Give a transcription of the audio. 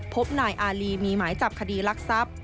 พบนายอารีมีหมายจับคดีรักทรัพย์